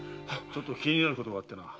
気になることがあってな。